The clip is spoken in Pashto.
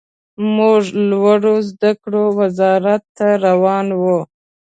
موږ لوړو زده کړو وزارت ته روان وو.